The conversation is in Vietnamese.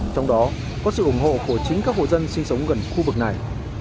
trong đó có sự ủng hộ của chính các hộ dân sinh sống gần khu vực này